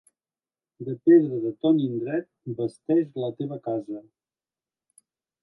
De pedra de ton indret basteix la teva casa.